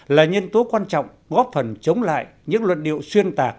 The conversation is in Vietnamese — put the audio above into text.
là nhân tố quan trọng góp phần chống lại những luận điệu xuyên tạc